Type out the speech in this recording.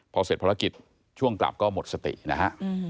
พอเสร็จภารกิจช่วงกลับก็หมดสตินะฮะ